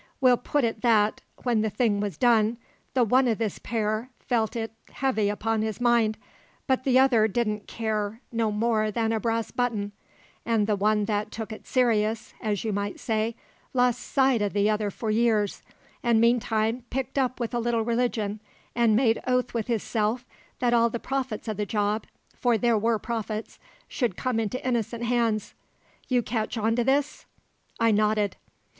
We'll put it that, when the thing was done, the one o' this pair felt it heavy upon his mind, but t'other didn' care no more than a brass button; an' the one that took it serious as you might say lost sight o' the other for years, an' meantime picked up with a little religion, an' made oath with hisself that all the profits o' the job (for there were profits) should come into innocent hands You catch on to this?" I nodded.